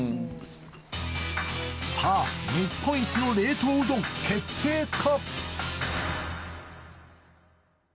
さあ日本一の冷凍うどん決定か！？